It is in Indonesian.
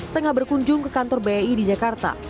tengah berkunjung ke kantor bei di jakarta